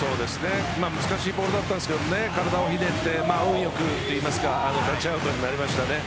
今、難しいボールだったんですけど体をひねって運良くといいますかタッチアウトになりましたよね。